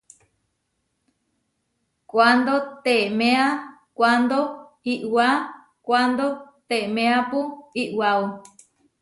Kuándo teeméa kuándo iʼwá kuándo teeméapu iʼwao.